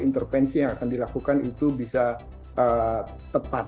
intervensi yang akan dilakukan itu bisa tepat